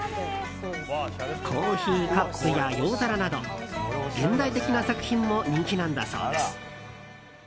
コーヒーカップや洋皿など現代的な作品も人気なんだそうです。